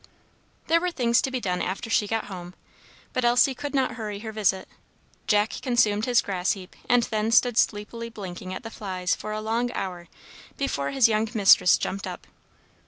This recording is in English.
There were things to be done after she got home, but Elsie could not hurry her visit. Jack consumed his grass heap, and then stood sleepily blinking at the flies for a long hour before his young mistress jumped up.